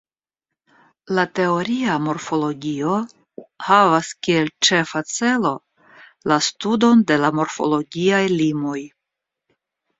La teoria morfologio havas kiel ĉefa celo la studon de la morfologiaj limoj.